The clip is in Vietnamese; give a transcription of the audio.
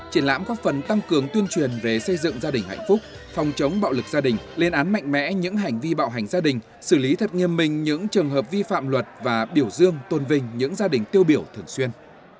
triển lãm có phần tăng cường tuyên truyền về xây dựng gia đình hạnh phúc phòng chống bạo lực gia đình lên án mạnh mẽ những hành vi bạo hành gia đình xử lý thật nghiêm minh những trường hợp vi phạm luật và biểu dương tôn vinh những gia đình tiêu biểu thường xuyên